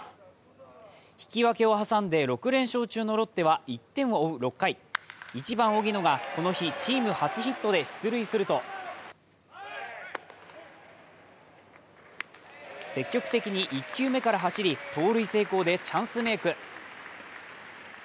引き分けを挟んで、６連勝中のロッテは１点を負う６回、１番・荻野がこの日チーム初ヒットで出塁すると積極的に１球目から走り、盗塁成功でチャンスメイク。